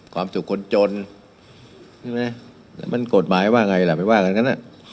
ความสุขคนจนใช่ไหมมันกฎหมายว่าไงล่ะไปว่ากันงั้น